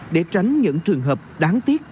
để tránh những trường hợp đáng tiếc